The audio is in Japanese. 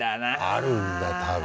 あるんだな。